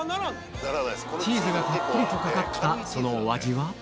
チーズがたっぷりとかかったそのお味は？